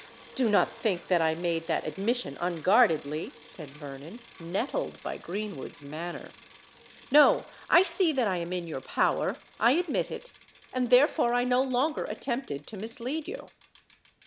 "Do not think that I made that admission unguardedly," said Vernon, nettled by Greenwood's manner. "No: I see that I am in your power—I admit it; and therefore I no longer attempted to mislead you."